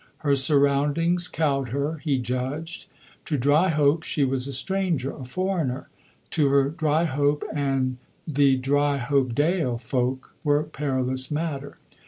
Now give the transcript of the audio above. Her surroundings cowed her, he judged. To Dryhope she was a stranger, a foreigner; to her Dryhope and the Dryhopedale folk were perilous matter.